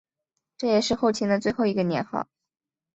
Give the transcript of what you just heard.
这也是后秦的最后一个年号。